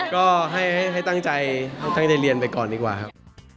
ก็ให้ตั้งใจให้ได้เรียนไปก่อนดีกว่าครับ